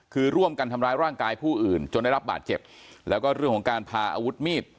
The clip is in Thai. คือร่วมกันทำร้ายร่างกายผู้อื่นจนได้รับบาดเจ็บแล้วก็เรื่องของการพาอาวุธมีด